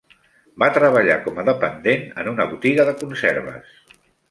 Va treballar com a dependent en una botiga de conserves.